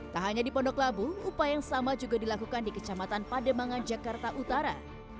tak hanya di pondok labu upaya yang sama juga dilakukan di kecamatan pademangan jakarta utara